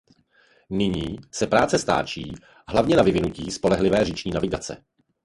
Nyní se práce stáčí hlavně na vyvinutí spolehlivé říční navigace.